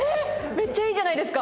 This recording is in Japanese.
めっちゃいいじゃないですか。